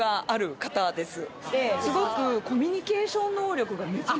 すごく。